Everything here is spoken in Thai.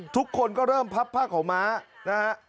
ทุกคนก็เริ่มพับผ้าขาวม้านะฮะ